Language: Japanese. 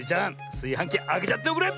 すいはんきあけちゃっておくれ！